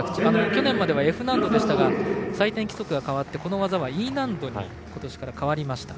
去年まではＦ難度でしたが採点規則が変わってこの技はＥ難度に今年から変わりました。